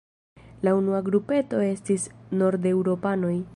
La unua grupeto estis nordeŭropanoj.